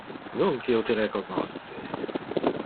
Nunc io te recognosce!